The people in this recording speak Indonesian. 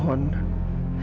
tolong dengarkan aku dulu